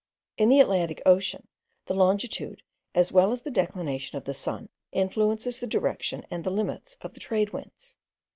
In the Atlantic Ocean, the longitude, as well as the declination of the sun, influences the direction and limits of the trade winds.